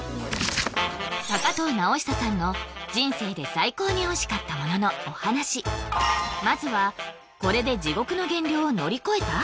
藤直寿さんの人生で最高においしかったもののお話まずはこれで地獄の減量を乗り越えた？